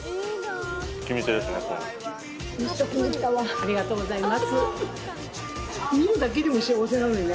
・ありがとうございます。